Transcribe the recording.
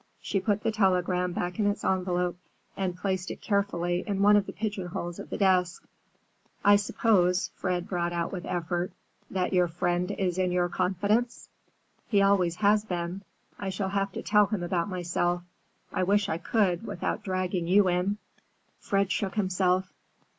She put the telegram back in its envelope and placed it carefully in one of the pigeonholes of the desk. "I suppose," Fred brought out with effort, "that your friend is in your confidence?" "He always has been. I shall have to tell him about myself. I wish I could without dragging you in." Fred shook himself.